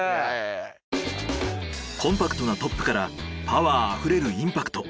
コンパクトなトップからパワーあふれるインパクト。